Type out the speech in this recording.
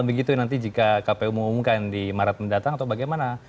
begitu nanti jika kpu mengumumkan di maret mendatang atau bagaimana